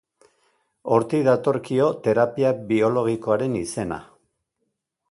Hortik datorkio terapia biologikoaren izena.